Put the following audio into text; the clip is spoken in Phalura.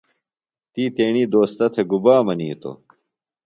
تی تیݨی دوستہ تھےۡ گُبا منِیتوۡ؟